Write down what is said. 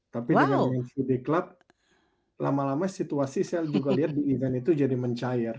tapi dengan mengikuti club lama lama situasi saya juga lihat di event itu jadi mencair